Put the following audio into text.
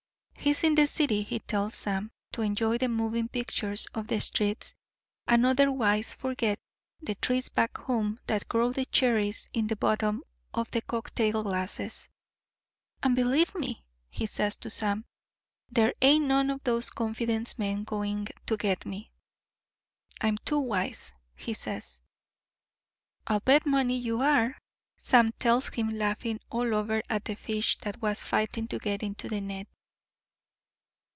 "He's in the city, he tells Sam, to enjoy the moving pictures of the streets, and otherwise forget the trees back home that grow the cherries in the bottom of the cocktail glasses. 'And believe me,' he says to Sam, 'there ain't none of those confidence men going to get me. I'm too wise,' he says. "'I'll bet money you are,' Sam tells him laughing all over at the fish that was fighting to get into the net.